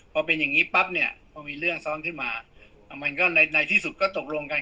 พอเป็นอย่างนี้ปั๊บเนี่ยพอมีเรื่องซ้อนขึ้นมามันก็ในที่สุดก็ตกลงกัน